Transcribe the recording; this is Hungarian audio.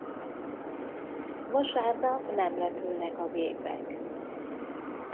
Vasárnap nem repülnek a gépek.